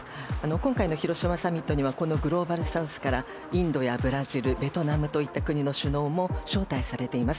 今回の広島サミットにはこのグローバルサウスからインドやブラジルベトナムといった国の首脳も招待されています。